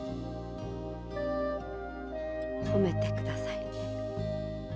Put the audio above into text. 褒めてくださいね。